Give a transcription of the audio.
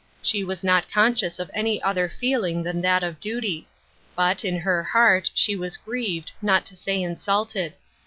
She was not conscious of any other feeling than that of duty ; but, in her heart, she was grieved, not to say insulted.